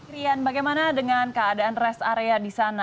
rian bagaimana dengan keadaan rest area di sana